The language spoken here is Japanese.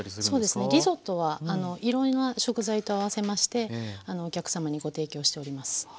そうですねリゾットはいろんな食材と合わせましてお客様にご提供しております。